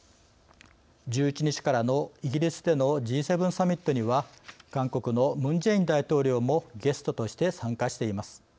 １１日からのイギリスでのＧ７サミットには韓国のムン・ジェイン大統領もゲストとして参加しています。